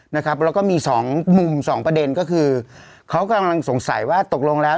นะครับแล้วก็มีสองมุมสองประเด็นก็คือเขากำลังสงสัยว่าตกลงแล้ว